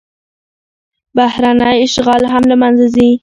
بهرنی اشغال هم له منځه ځي.